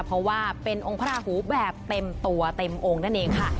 เพราะว่าเป็นองค์พระราหูแบบเต็มตัวเต็มองค์นั่นเองค่ะ